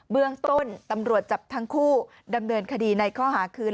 เบื้องต้นตำรวจจับทั้งคู่ดำเนินคดีในข้อหาคืน